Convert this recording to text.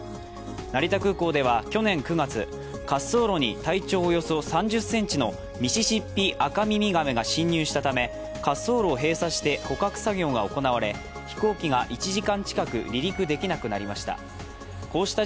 成田空港では、去年９月、滑走路に体長およそ３０ｃｍのミシシッピアカミミガメが侵入したため、滑走路を閉鎖して捕獲作業が行われ、飛行機が１時間近く離陸できなくなりました。